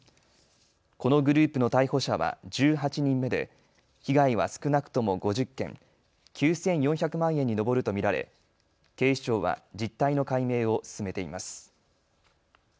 このグループの逮捕者は１８人目で、被害は少なくとも５０件、９４００万円に上ると見られ警視庁は実態の解明を進めています。